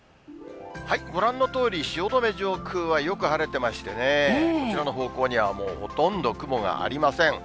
ご覧のとおり、汐留上空はよく晴れていましてね、こちらの方向にはもうほとんど雲がありません。